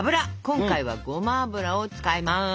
今回はごま油を使います。